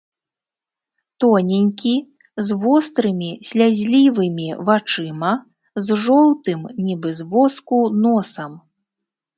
Тоненькі з вострымі слязлівымі вачыма, з жоўтым, нібы з воску, носам.